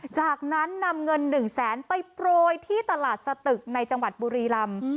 จากนั้นนำเงิน๑แสนไปโปรยที่ตลาดสตึกในจังหวัดบุรีรำ